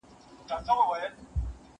لکه ستړی چي باغوان سي پر باغ ټک وهي لاسونه